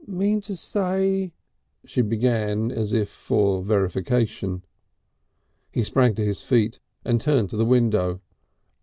"Mean to say " she began as if for verification. He sprang to his feet, and turned to the window.